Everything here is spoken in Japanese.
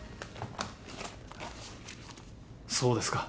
そうですか。